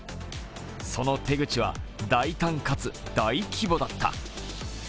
その手口は大胆かつ大規模だった。